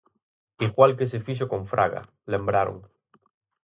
"Igual que se fixo con Fraga", lembraron.